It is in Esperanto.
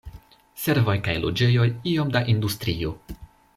Servoj kaj loĝejoj, iom da industrio.